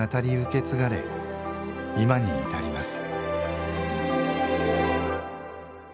今に至ります